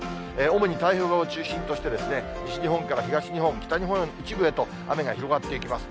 主に太平洋側を中心として西日本から東日本、北日本一部へと雨が広がっていきます。